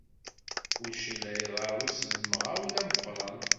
Kullec la iḍerru s lemɣawla meqqren.